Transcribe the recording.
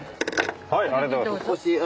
ありがとうございます。